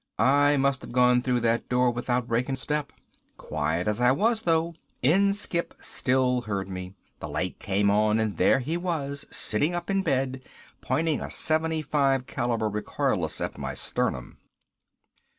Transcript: I must have gone through that door without breaking step. Quiet as I was though, Inskipp still heard me. The light came on and there he was sitting up in bed pointing a .75 caliber recoilless at my sternum.